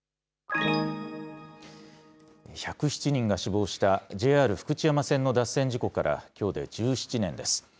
１０７人が死亡したＪＲ福知山線の脱線事故からきょうで１７年です。